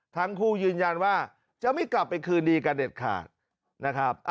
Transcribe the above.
ทั้งคู่ยืนยันว่าจะไม่กลับไปคืนดีกันเด็ดขาดนะครับ